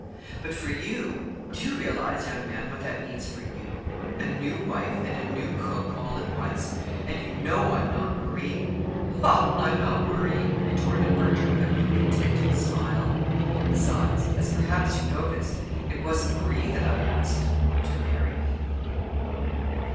But for you do you realize, young man, what that means for you? A new wife and a new cook all at once? And you know I'm not Marie!" "Ho! I'm not worrying," retorted Bertram with a contented smile; "besides, as perhaps you noticed, it wasn't Marie that I asked to marry me!"